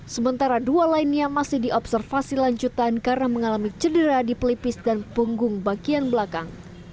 sementara dua lainnya masih diobservasi lanjutan karena mengalami cedera di pelipis dan punggung bagian belakang